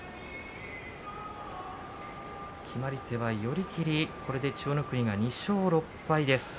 決まり手は寄り切り千代の国は２勝６敗です。